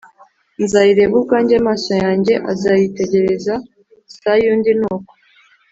nzayireba ubwanjye, amaso yanjye azayitegereza si ay’undi nuko